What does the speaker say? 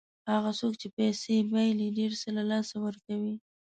هغه څوک چې پیسې بایلي ډېر څه له لاسه ورکوي.